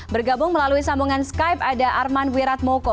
bergabung melalui sambungan skype ada arman wiratmoko